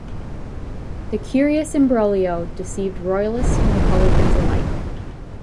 The curious imbroglio deceived royalists and republicans alike.